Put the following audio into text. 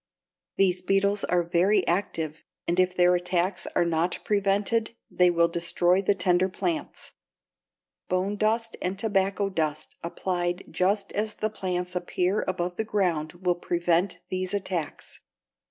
These beetles are very active, and if their attacks are not prevented they will destroy the tender plants. Bone dust and tobacco dust applied just as the plants appear above the ground will prevent these attacks.